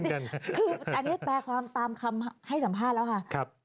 คืออันนี้แปลความตามคำให้สัมภาษณ์แล้วค่ะ